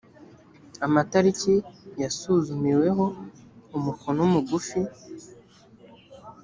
amatariki yasuzumiweho umukono mugufi